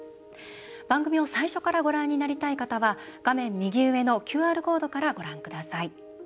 番組を最初からご覧になりたい方は画面右上のＱＲコードからご覧ください。